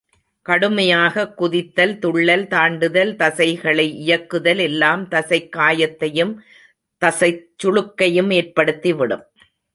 கடுமையாகக் குதித்தல், துள்ளல், தாண்டுதல், தசைகளை இயக்குதல் எல்லாம், தசைக் காயத்தையும், தசைச் சுளுக்கையும் ஏற்படுத்திவிடும்.